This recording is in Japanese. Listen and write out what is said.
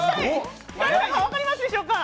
誰だか分かりますでしょうか。